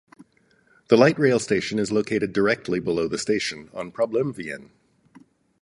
The light rail station is located directly below the station, on Problemveien.